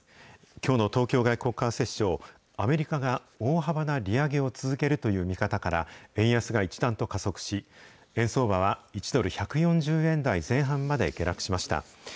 きょうの東京外国為替市場、アメリカが大幅な利上げを続けるという見方から、円安が一段と加速し、円相場は１ドル１４０円台前半まで下落しました。